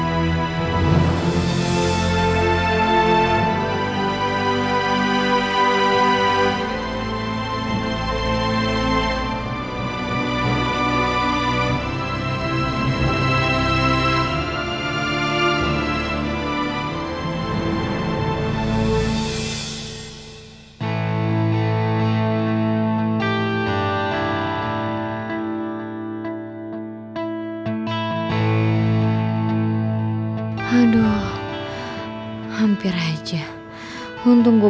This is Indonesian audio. sampai jumpa di video selanjutnya